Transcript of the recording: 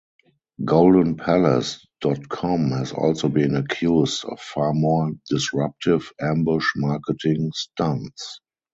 GoldenPalace dot com has also been accused of far more disruptive ambush marketing stunts.